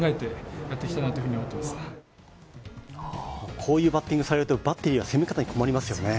こういうバッティングされるとバッテリーは攻め方に困りますよね。